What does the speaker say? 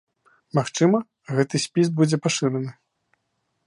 Магчыма, гэты спіс будзе пашыраны.